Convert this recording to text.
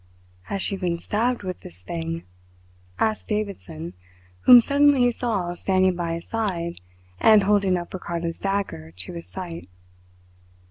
"Has she been stabbed with this thing?" asked Davidson, whom suddenly he saw standing by his side and holding up Ricardo's dagger to his sight.